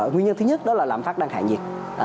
nguyên nhân thứ nhất đó là lạm phát đang hạ nhiệt